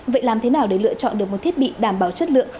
vậy làm thế nào để lựa chọn được một thiết bị đảm bảo chất lượng